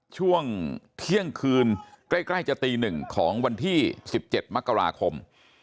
ช่วงเที่ยงคืนใกล้จะตี๑ของวันที่๑๗มกราคม